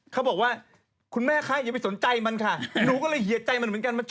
เขาบอกว่าคุณแม่คะอย่าไปสนใจมันค่ะหนูก็เลยเหียดใจมันเหมือนกัน